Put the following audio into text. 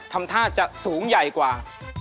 ทำท่าจะสูงใหญ่กว่า